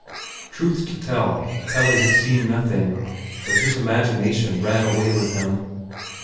Truth to tell, Pelle had seen nothing, but his imagination ran away with him.